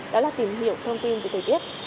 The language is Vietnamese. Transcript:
đó là tìm hiểu thông tin về thời tiết